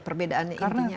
perbedaannya intinya apa